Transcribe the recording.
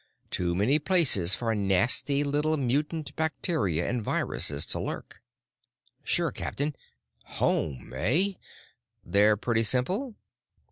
Too many places for nasty little mutant bacteria and viruses to lurk." "Sure, Captain. 'Home,' eh? They're pretty simple?"